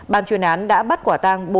bàn chuyên án đã bắt quả tang